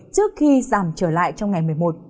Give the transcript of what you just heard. trước khi giảm trở lại trong ngày một mươi một